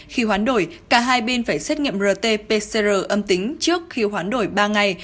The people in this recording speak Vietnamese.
khi hoán đổi cả hai bên phải xét nghiệm rt pcr âm tính trước khi hoán đổi ba ngày